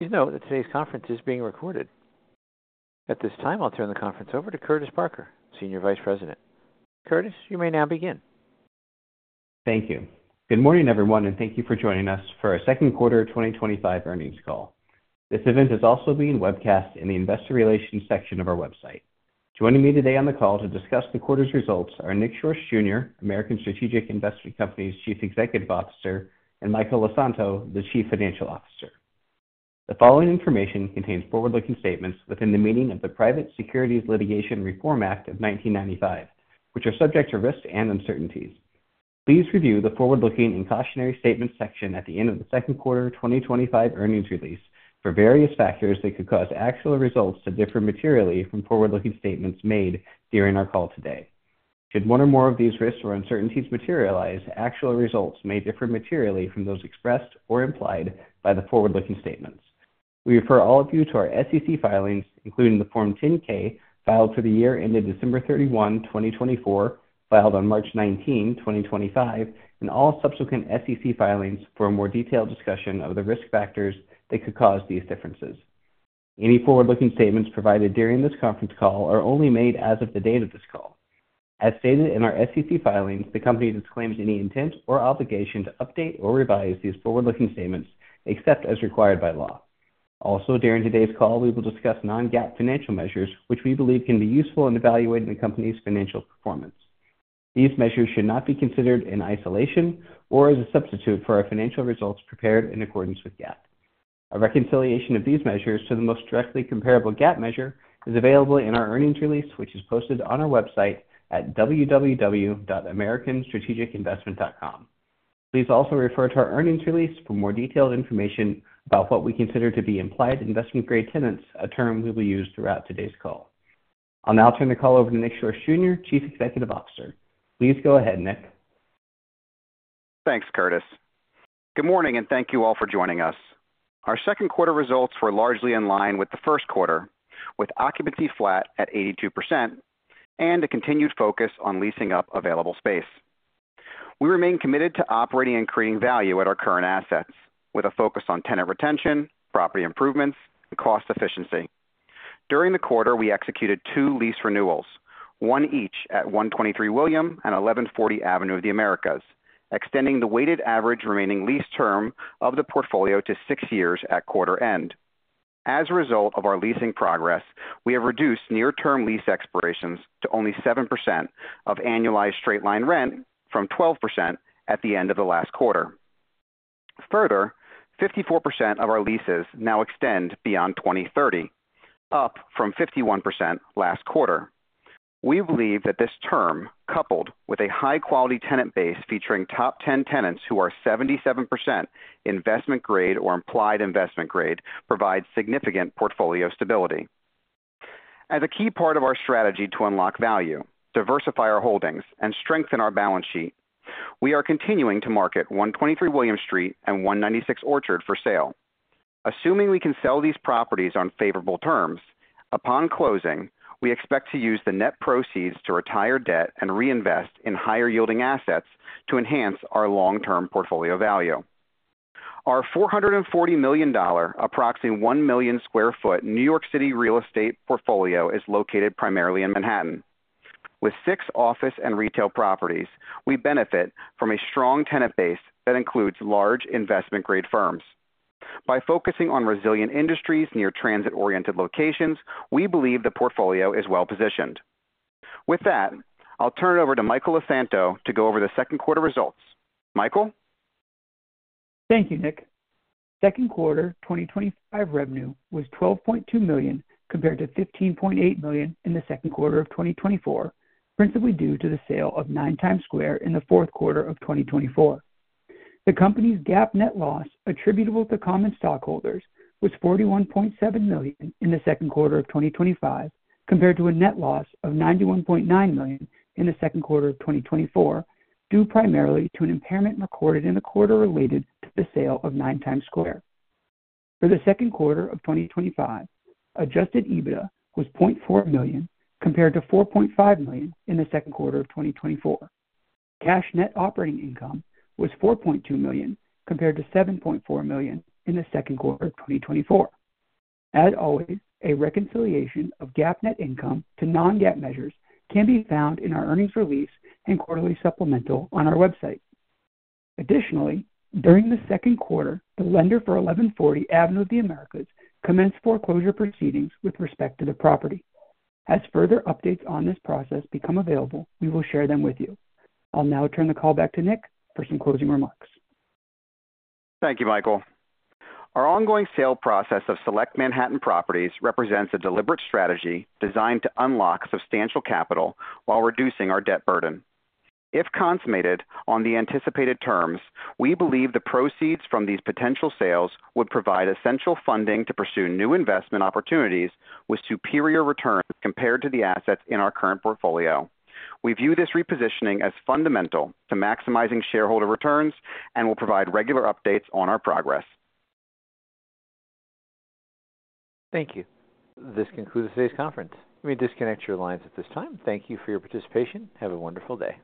You know that today's conference is being recorded. At this time, I'll turn the conference over to Curtis Parker, Senior Vice President. Curtis, you may now begin. Thank you. Good morning, everyone, and thank you for joining us for our second quarter 2025 earnings call. This event is also being webcast in the Investor Relations section of our website. Joining me today on the call to discuss the quarter's results are Nicholas Schorsch, Jr., American Strategic Investment Company's Chief Executive Officer, and Michael LeSanto, the Chief Financial Officer. The following information contains forward-looking statements within the meaning of the Private Securities Litigation Reform Act of 1995, which are subject to risks and uncertainties. Please review the forward-looking and cautionary statements section at the end of the second quarter 2025 earnings release for various factors that could cause actual results to differ materially from forward-looking statements made during our call today. Should one or more of these risks or uncertainties materialize, actual results may differ materially from those expressed or implied by the forward-looking statements. We refer all of you to our SEC filings, including the Form 10-K filed for the year ended December 31, 2024, filed on March 19, 2025, and all subsequent SEC filings for a more detailed discussion of the risk factors that could cause these differences. Any forward-looking statements provided during this conference call are only made as of the date of this call. As stated in our SEC filings, the company disclaims any intent or obligation to update or revise these forward-looking statements except as required by law. Also, during today's call, we will discuss non-GAAP financial measures, which we believe can be useful in evaluating the company's financial performance. These measures should not be considered in isolation or as a substitute for our financial results prepared in accordance with GAAP. A reconciliation of these measures to the most directly comparable GAAP measure is available in our earnings release, which is posted on our website at www.americanstrategicinvestment.com. Please also refer to our earnings release for more detailed information about what we consider to be implied investment-grade tenants, a term we will use throughout today's call. I'll now turn the call over to Nicholas Schorsch, Jr., Chief Executive Officer. Please go ahead, Nick. Thanks, Curtis. Good morning and thank you all for joining us. Our second quarter results were largely in line with the first quarter, with occupancy flat at 82% and a continued focus on leasing up available space. We remain committed to operating and creating value at our current assets, with a focus on tenant retention, property improvements, and cost efficiency. During the quarter, we executed two lease renewals, one each at 123 William Street and 1140 Avenue of the Americas, extending the weighted average remaining lease term of the portfolio to six years at quarter end. As a result of our leasing progress, we have reduced near-term lease expirations to only 7% of annualized straight-line rent from 12% at the end of the last quarter. Further, 54% of our leases now extend beyond 2030, up from 51% last quarter. We believe that this term, coupled with a high-quality tenant base featuring top 10 tenants who are 77% investment-grade or implied investment-grade, provides significant portfolio stability. As a key part of our strategy to unlock value, diversify our holdings, and strengthen our balance sheet, we are continuing to market 123 William Street and 196 Orchard for sale. Assuming we can sell these properties on favorable terms, upon closing, we expect to use the net proceeds to retire debt and reinvest in higher-yielding assets to enhance our long-term portfolio value. Our $440 million, approximately 1 million square foot New York City real estate portfolio is located primarily in Manhattan. With six office and retail properties, we benefit from a strong tenant base that includes large investment-grade firms. By focusing on resilient industries near transit-oriented locations, we believe the portfolio is well positioned. With that, I'll turn it over to Michael LeSanto to go over the second quarter results. Michael. Thank you, Nick. Second quarter 2025 revenue was $12.2 million compared to $15.8 million in the second quarter of 2024, principally due to the sale of Nine Times Square in the fourth quarter of 2024. The company's GAAP net loss attributable to common stockholders was $41.7 million in the second quarter of 2025, compared to a net loss of $91.9 million in the second quarter of 2024, due primarily to an impairment recorded in the quarter related to the sale of Nine Times Square. For the second quarter of 2025, adjusted EBITDA was $0.4 million compared to $4.5 million in the second quarter of 2024. Cash net operating income was $4.2 million compared to $7.4 million in the second quarter of 2024. As always, a reconciliation of GAAP net income to non-GAAP measures can be found in our earnings release and quarterly supplemental on our website. Additionally, during the second quarter, the lender for 1140 Avenue of the Americas commenced foreclosure proceedings with respect to the property. As further updates on this process become available, we will share them with you. I'll now turn the call back to Nick for some closing remarks. Thank you, Michael. Our ongoing sale process of select Manhattan properties represents a deliberate strategy designed to unlock substantial capital while reducing our debt burden. If consummated on the anticipated terms, we believe the proceeds from these potential sales would provide essential funding to pursue new investment opportunities with superior returns compared to the assets in our current portfolio. We view this repositioning as fundamental to maximizing shareholder returns and will provide regular updates on our progress. Thank you. This concludes today's conference. Let me disconnect your lines at this time. Thank you for your participation. Have a wonderful day.